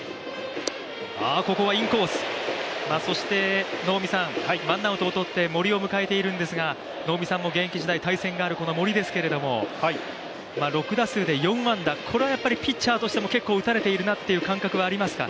そして、ワンアウトを取って森を迎えているんですが能見さんも現役時代対戦があるこの森ですけど６打数で４安打、これはやっぱりピッチャーとしても結構打たれているなっていう感覚はありますか？